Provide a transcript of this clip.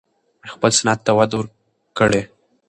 خپل صنعت ته وده ورکړئ.